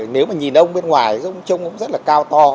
nếu mà nhìn ông bên ngoài ông trông cũng rất là cao to